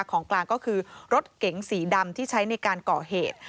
ของกลางก็คือรถเก๋งสีดำที่ใช้ในการก่อเหตุ